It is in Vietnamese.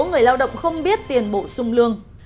đa số người lao động không biết tiền bổ sung lương